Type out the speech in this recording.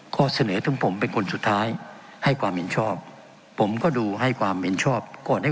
ก็เสนอทั้งผมเป็นคนสุดท้ายให้ความเห็นชอบผมก็ดูให้ความเห็นชอบ